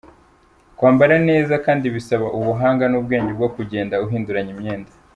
Kwambara neza kandi bisaba ubuhanga n'ubwenge bwo kugenda uhinduranya imyenda.